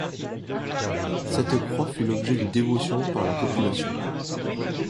Cette croix fut l'objet de dévotions par la population.